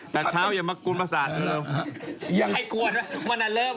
แต่เช้าอย่ามากลุ้นภาษาได้เลย